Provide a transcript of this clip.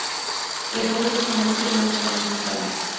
এই দেহতৃষ্ণা মনুষ্যজীবনে সর্বনাশের কারণ।